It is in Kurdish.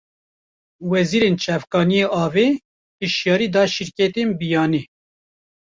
Wezîrê çavkaniyên avê, hişyarî da şîrketên biyanî